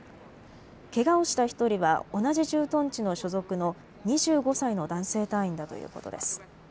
けがをした１人は同じ駐屯地の所属の２５歳の男性隊員だということです。